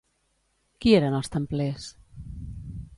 Qui eren els templers?